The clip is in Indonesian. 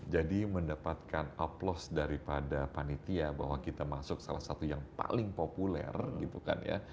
jadi mendapatkan aplaus daripada panitia bahwa kita masuk salah satu yang paling populer gitu kan ya